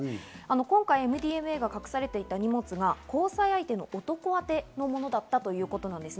今回、ＭＤＭＡが隠されていた荷物が交際相手の男宛てのものだったということです。